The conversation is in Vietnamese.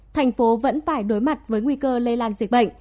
thành phố vẫn phải đối mặt với nguy cơ lây lan dịch bệnh